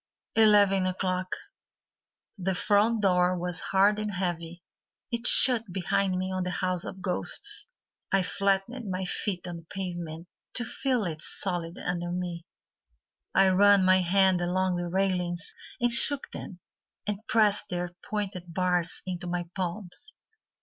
Eleven O'Clock The front door was hard and heavy, It shut behind me on the house of ghosts. I flattened my feet on the pavement To feel it solid under me; I ran my hand along the railings And shook them, And pressed their pointed bars Into my palms.